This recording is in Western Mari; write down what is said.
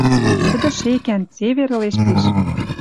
Тӹдӹ шекӓн, цевер ылеш пиш.